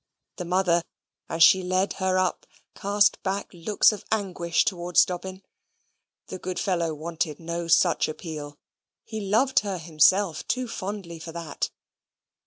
The mother, as she led her up, cast back looks of anguish towards Dobbin. The good fellow wanted no such appeal. He loved her himself too fondly for that.